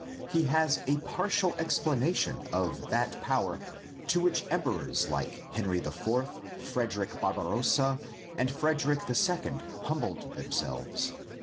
He has a partial explanation of that power to which emperors like Henry IV, Frederick Barbarossa, and Frederick II humbled themselves.